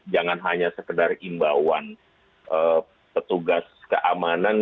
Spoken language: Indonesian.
jangan hanya sekedar imbauan petugas keamanan